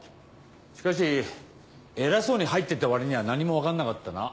しかし偉そうに入ってった割には何も分かんなかったな。